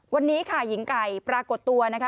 วันนี้ค่ะหญิงไก่ปรากฏตัวนะคะ